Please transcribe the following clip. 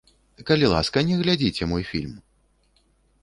Калі ласка, не глядзіце мой фільм!